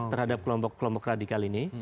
terhadap kelompok kelompok radikal ini